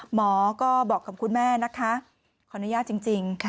หมอก็บอกกับคุณแม่นะคะขออนุญาตจริง